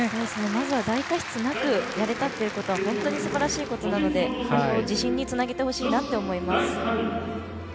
まずは大過失なくやれたってことが本当にすばらしいことなので自信につなげてほしいなと思います。